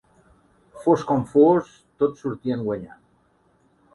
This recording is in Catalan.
Fos com fos, tots sortien guanyant.